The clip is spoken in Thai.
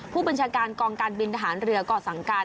ผู้บัญชาการกองการบินทหารเรือก็สั่งการ